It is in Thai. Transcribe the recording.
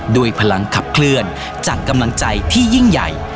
ด้วยพลังขับเคลื่อนจากกำลังใจที่ยิ่งใหญ่